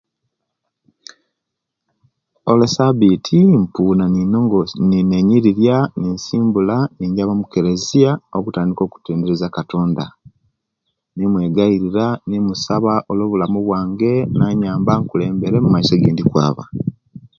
Olwesabiti mpuuna ninelongosya neninyirirya ninsimbula nijaba omukeleziya okutandika okutenderezya okatonda ninemwegairila nimusaba olwe bulamu bwange kunyamba akulembere omumaiso gyendi kwaba